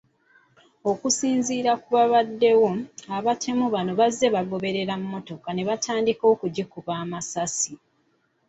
Okusinziira ku baabaddewo, abatemu bano bazze bagoberera emmotoka ne batandika okugikuba amasasi.